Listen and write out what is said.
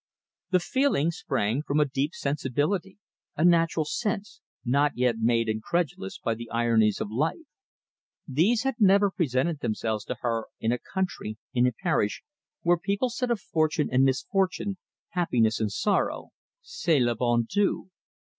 The feeling sprang from a deep sensibility, a natural sense, not yet made incredulous by the ironies of life. These had never presented themselves to her in a country, in a parish, where people said of fortune and misfortune, happiness and sorrow, "C'est le bon Dieu!"